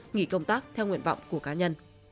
nghỉ công tác theo nguyện vọng của cá nhân